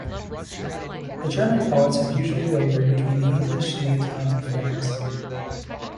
The German poets have usually wavered between the English and the Italian forms.